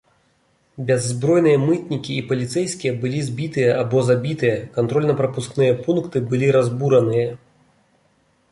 Бяззбройныя мытнікі і паліцэйскія былі збітыя або забітыя, кантрольна-прапускныя пункты былі разбураныя.